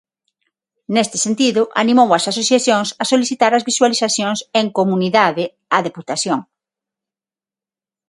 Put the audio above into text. Neste sentido, animou ás asociacións a solicitar as visualizacións 'en comunidade' á Deputación.